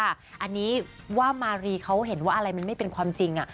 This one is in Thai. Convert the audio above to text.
อันนี้ว่ามารีเขาเห็นว่าอะไรมันไม่เป็นความจริง